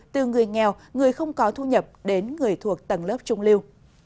từ người nghèo người không có thu nhập đến người thuộc tầng lớp trung lưu